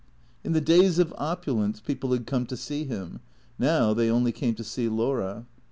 In the days of opulence people had come to see him ; now they only came to see Laura.